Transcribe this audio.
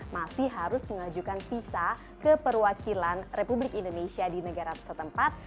masih harus mengajukan visa ke perwakilan republik indonesia di negara setempat